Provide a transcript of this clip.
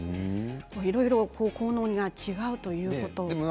いろいろ効能が違うということです。